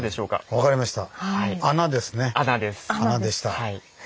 分かりました。